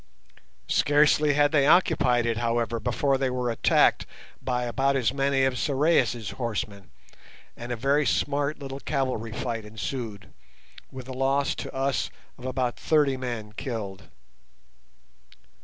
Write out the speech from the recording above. Scarcely had they occupied it, however, before they were attacked by about as many of Sorais' horsemen, and a very smart little cavalry fight ensued, with a loss to us of about thirty men killed.